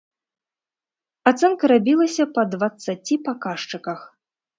Ацэнка рабілася па дваццаці паказчыках.